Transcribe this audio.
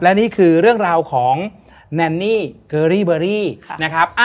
และนี่คือเรื่องราวของแนนนี่เกอรี่เบอรี่นะครับ